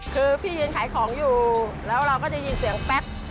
คือพี่ยืนขายของอยู่แล้วเราก็ได้ยินเสียงแป๊บ